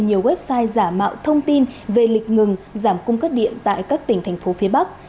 nhiều website giả mạo thông tin về lịch ngừng giảm cung cấp điện tại các tỉnh thành phố phía bắc